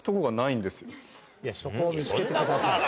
そこを見つけてください。